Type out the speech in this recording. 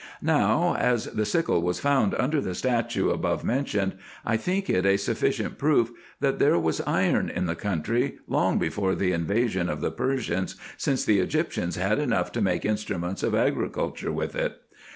Now, as the sickle was found under the statue above mentioned, I think it a sufficient proof, that there was iron in the country long before the invasion of the Persians, since the Egyptians had enough to make instruments of agriculture with it.